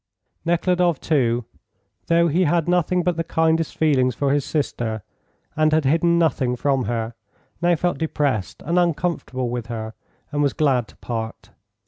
Nekhludoff, too, though he had nothing but the kindest feelings for his sister, and had hidden nothing from her, now felt depressed and uncomfortable with her, and was glad to part.